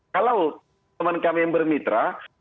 kalau teman kami yang bermitra